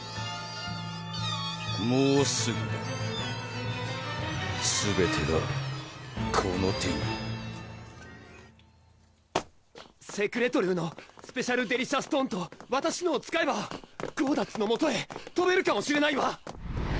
もうすぐだすべてがこの手にセクレトルーのスペシャルデリシャストーンとわたしのを使えばゴーダッツのもとへとべるかもしれないわ